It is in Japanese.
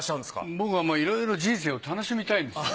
僕はいろいろ人生を楽しみたいんですよ。